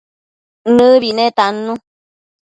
Nëbi netannu